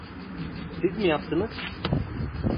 Siz mi yaptınız?